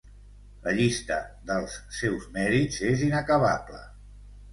La llista dels seus mèrits és inacabable.